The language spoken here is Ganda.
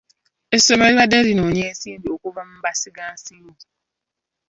Essomero lyabadde linoonya ensimbi okuva mu bamusiga nsimbi.